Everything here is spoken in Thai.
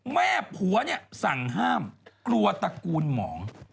แม่ผัวเนี่ยสั่งห้ามกลัวตระกูลหมอง